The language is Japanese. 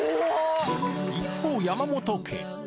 一方、山本家。